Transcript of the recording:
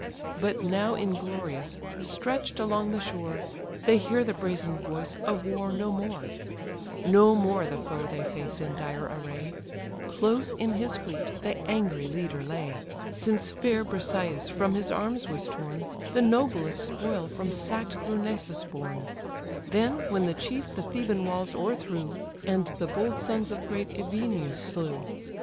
But now inglorious, stretch'd along the shore, They hear the brazen voice of war no more; No more the foe they face in dire array: Close in his fleet the angry leader lay; Since fair Briseïs from his arms was torn, The noblest spoil from sack'd Lyrnessus borne, Then, when the chief the Theban walls o'erthrew, And the bold sons of great Evenus slew.